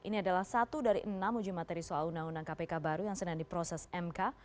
ini adalah satu dari enam uji materi soal undang undang kpk baru yang sedang diproses mk